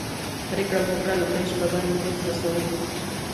پرېکړه مو وکړه لومړۍ شپه به نیمروز رسوو.